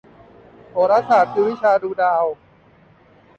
โหราศาสตร์คือวิชาดูดาว